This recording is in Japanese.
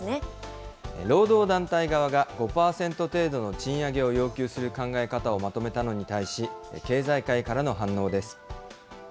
労働団体側が５％程度の賃上げを要求する考え方をまとめたのに対し、経済界からの反応です。